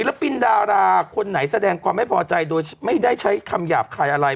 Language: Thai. ปินดาราคนไหนแสดงความไม่พอใจโดยไม่ได้ใช้คำหยาบคายอะไร